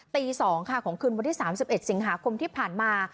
ตีสองค่ะของคืนวันที่สามสิบเอ็ดสิงหาคมที่ผ่านมา